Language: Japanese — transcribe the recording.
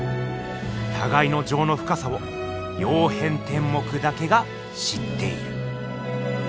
たがいのじょうのふかさを「曜変天目」だけが知っている。